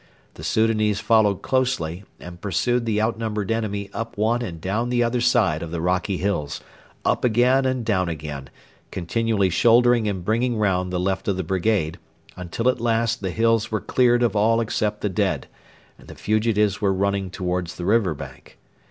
The Soudanese followed closely, and pursued the outnumbered enemy up one and down the other side of the rocky hills, up again and down again, continually shouldering and bringing round the left of the brigade; until at last the hills were cleared of all except the dead, and the fugitives were running towards the river bank.